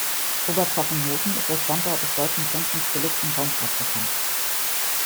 Oberpfaffenhofen ist als Standort des Deutschen Zentrums für Luft- und Raumfahrt bekannt.